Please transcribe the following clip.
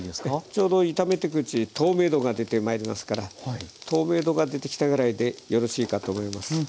ちょうど炒めてくうちに透明度が出てまいりますから透明度が出てきたぐらいでよろしいかと思います。